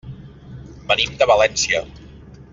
Venim de València.